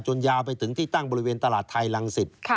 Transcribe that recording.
ยาวไปถึงที่ตั้งบริเวณตลาดไทยรังสิต